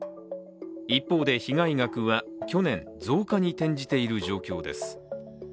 一方で被害額は去年増加に転じている状況です。